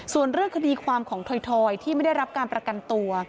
ส่วนเรื่องคดีความของถอยที่ไม่ได้รับการประกันตัว